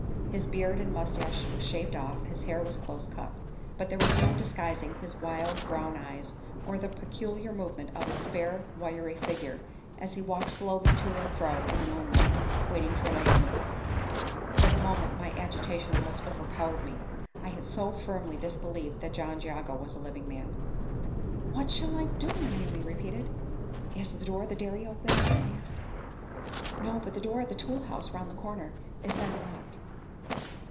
His beard and mustache were shaved off; his hair was close cut. But there was no disguising his wild, brown eyes, or the peculiar movement of his spare, wiry figure, as he walked slowly to and fro in the moonlight waiting for Naomi. For the moment, my own agitation almost overpowered me; I had so firmly disbelieved that John Jago was a living man! "What shall I do?" Naomi repeated. "Is the door of the dairy open?" I asked. "No; but the door of the tool house, round the corner, is not locked."